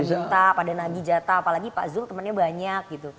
minta pada nagi jatah apalagi pak zul temannya banyak gitu